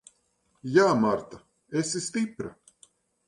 Jā, Marta. Esi stipra.